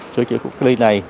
sửa chữa khu cách ly này